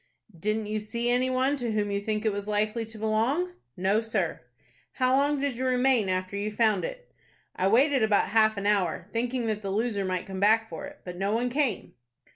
"Didn't you see any one to whom you think it was likely to belong?" "No, sir." "How long did you remain after you found it?" "I waited about half an hour, thinking that the loser might come back for it; but no one came."